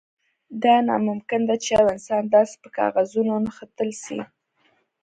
دا ناممکن ده چې یو انسان داسې په کاغذونو ونغښتل شي